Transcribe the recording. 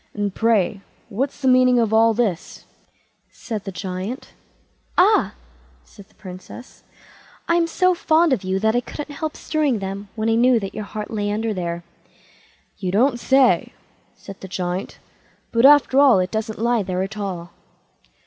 "And, pray, what's the meaning of all this?" said the Giant. "Ah!" said the Princess, "I'm so fond of you that I couldn't help strewing them, when I knew that your heart lay under there." "You don't say so", said the Giant; "but after all it doesn't lie there at all."